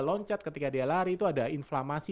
loncat ketika dia lari itu ada inflamasi